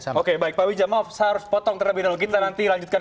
sama oke baik baik pak widja maaf seharusnya potong terlebih dahulu kita nanti lanjutkan